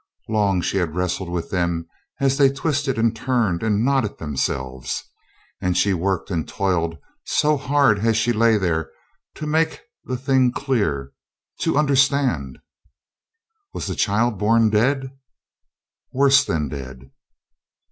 Long she had wrestled with them as they twisted and turned and knotted themselves, and she worked and toiled so hard as she lay there to make the thing clear to understand. "Was the child born dead?" "Worse than dead!"